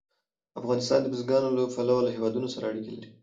افغانستان د بزګانو له پلوه له هېوادونو سره اړیکې لري.